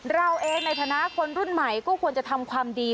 เราเองในฐานะคนรุ่นใหม่ก็ควรจะทำความดี